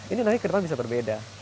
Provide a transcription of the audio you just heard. ini nanti ke depan bisa berbeda